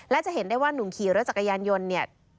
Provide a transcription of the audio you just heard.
และจะเห็นได้ว่านุ่มขี่รถจักรยานยนต์เนี่ย